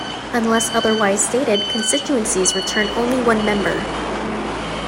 Unless otherwise stated, constituencies returned only one member.